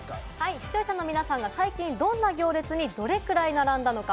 視聴者の皆さんが最近、どんな行列にどれくらい並んだのか？